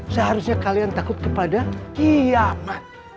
seharusnya kalian takut kepada iyamat